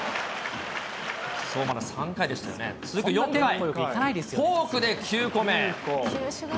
続く４回、フォークで９個目。